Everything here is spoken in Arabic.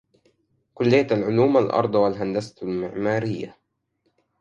كلية علوم الأرض والهندسة المعمارية